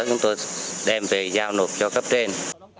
chúng tôi đem về giao nộp cho cấp trên